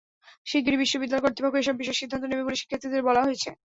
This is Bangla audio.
শিগগিরই বিশ্ববিদ্যালয় কর্তৃপক্ষ এসব বিষয়ে সিদ্ধান্ত নেবে বলে শিক্ষার্থীদের বলা হয়েছে।